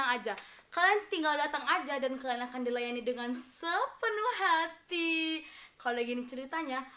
aja kalian tinggal datang aja dan kalian akan dilayani dengan sepenuh hati kalau gini ceritanya